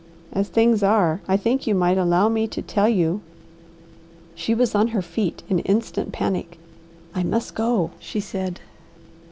As things are, I think you might allow me to tell you " She was on her feet in instant panic. "I must go," she said.